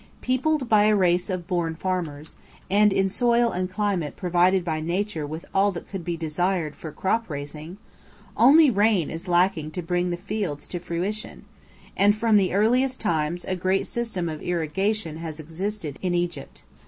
Peopled by a race of born farmers, and in soil and climate provided by Nature with all that could be desired for crop raising, only rain is lacking to bring the fields to fruition, and from the earliest times a great system of irrigation has existed in Egypt.